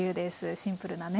シンプルなね